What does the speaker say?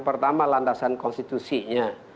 pertama landasan konstitusinya